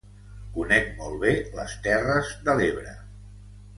Conec molt bé les Terres de l'Ebre.